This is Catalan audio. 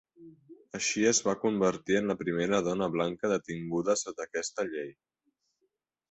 Així es va convertir en la primera dona blanca detinguda sota aquesta llei.